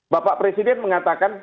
bapak presiden mengatakan